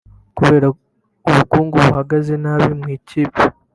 Kubera ubukungu buhagaze nabi mu ikipe